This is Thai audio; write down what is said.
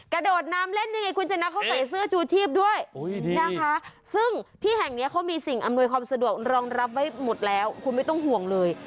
กระโดดน้ำเล่นยังไงคุณชนะเขาใส่เสื้อชูชีพด้วยนะคะซึ่งที่แห่งนี้เขามีสิ่งอำนวยความสะดวกรองรับไว้หมดแล้วคุณไม่ต้องห่วงเลย